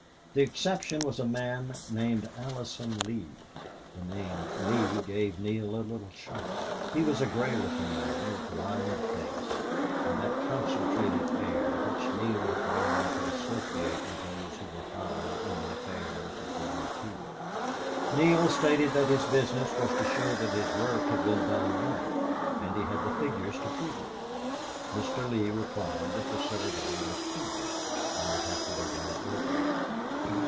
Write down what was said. The exception was a man named Allison Lee. The name Lee gave Neale a little shock. He was a gray looking man, with lined face, and that concentrated air which Neale had learned to associate with those who were high in the affairs of the U. P. Neale stated that his business was to show that his work had been done right, and he had the figures to prove it. Mr. Lee replied that the survey was poor and would have to be done over.